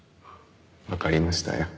わかりましたよ。